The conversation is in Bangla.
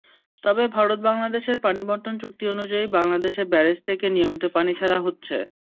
তবে ভারত-বাংলাদেশের পানিবণ্টন চুক্তি অনুযায়ী বাংলাদেশে ব্যারাজ থেকে নিয়মিত পানি ছাড়া হচ্ছে।